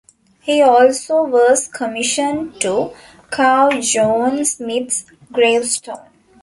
He also was commissioned to carve John Smith's gravestone.